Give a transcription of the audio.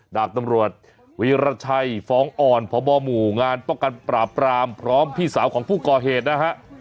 ดาบตำรวจวีรชัยฟ้องอ่อนพบหมู่งานป้องกันปราบปรามพร้อมพี่สาวของผู้ก่อเหตุนะฮะ